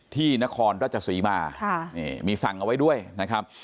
ที่นครรัชชาสีบ้ามีสั่งเอาไว้ด้วยนะครับ